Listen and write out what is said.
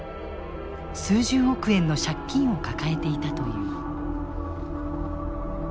数十億円の借金を抱えていたという。